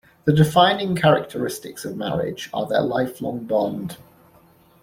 The defining characteristics of marriage are their lifelong bond.